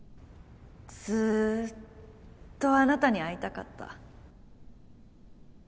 ずっとあなたに会いたかった。